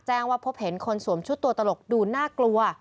แจ้งว่าพบเห็นคนสวมชุดตัวตลกดูน่ากลัว